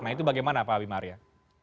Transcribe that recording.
nah itu bagaimana pak abimaria